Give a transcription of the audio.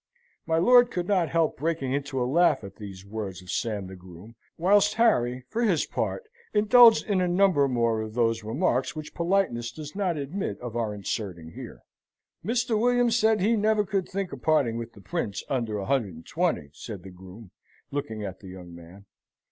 My lord could not help breaking into a laugh at these words of Sam the groom, whilst Harry, for his part, indulged in a number more of those remarks which politeness does not admit of our inserting here. "Mr. William said he never could think of parting with the Prince under a hundred and twenty," said the groom, looking at the young man.